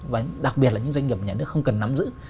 và đặc biệt là những doanh nghiệp nhà nước không cần nắm giữ